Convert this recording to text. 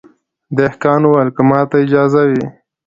دهقان وویل که ماته اجازه وي